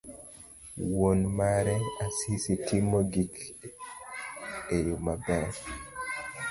wuon mare Asisi timo gik eyo maber.